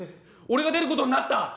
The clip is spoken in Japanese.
俺が出ることになった」。